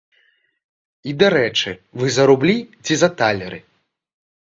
І дарэчы, вы за рублі ці за талеры?